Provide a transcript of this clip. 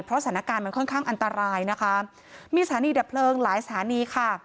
เพราะสถานการณ์มันค่อนข้างอันตรายนะคะมีสถานีดับเพลิงหลายสถานีค่ะ